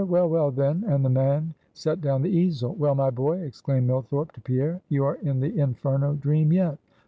well, well, then;" and the man set down the easel. "Well, my boy," exclaimed Millthorpe to Pierre; "you are in the Inferno dream yet.